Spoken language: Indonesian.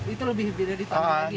itu lebih dari tanaman ya